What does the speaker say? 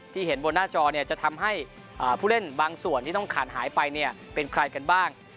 เห็นบนหน้าจอเนี่ยจะทำให้ผู้เล่นบางส่วนที่ต้องขาดหายไปเนี่ยเป็นใครกันบ้าง